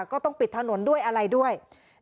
ก็ต้องปิดถนนด้วยอะไรด้วย